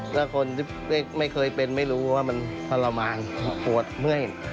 ถ้าคนไม่เคยเป็นไม่รู้ว่ามันพระมางปวดเมื่อย